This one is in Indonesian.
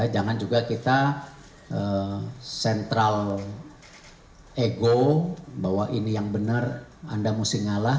jangan juga kita sentral ego bahwa ini yang benar anda mesti ngalah